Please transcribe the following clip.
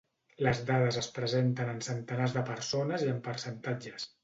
Les dades es presenten en centenars de persones i en percentatges.